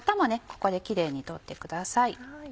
ここでキレイに取ってください。